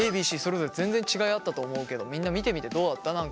ＡＢＣそれぞれ全然違いあったと思うけどみんな見てみてどうだった？